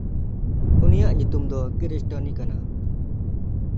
ᱩᱱᱤᱭᱟᱜ ᱧᱩᱛᱩᱢ ᱫᱚ ᱠᱤᱨᱥᱴᱮᱱᱤ ᱠᱟᱱᱟ᱾